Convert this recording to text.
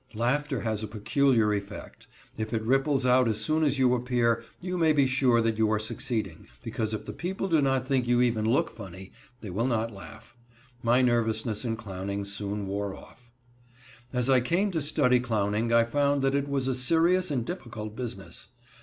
Laughter has a peculiar effect. If it ripples out as soon as you appear, you may be sure that you are succeeding, because if the people do not think you even look funny, they will not laugh. My nervousness in clowning soon wore off. As I came to study clowning I found that it was a serious and difficult business.